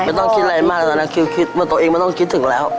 ไม่ต้องคิดอะไรมากเลยนะคิดตัวเองไม่ต้องคิดถึงแล้ว